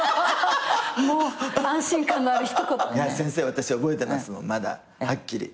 私覚えてますもんまだはっきり。